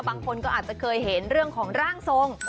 บางคนก็อาจจะเคยเห็นเรื่องของร่างทรง